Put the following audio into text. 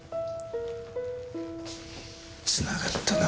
つながったな。